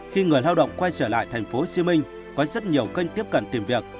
khi người lao động quay trở lại tp hcm có rất nhiều kênh tiếp cận tìm việc